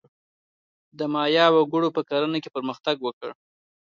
د مایا وګړو په کرنه کې پرمختګ وکړ.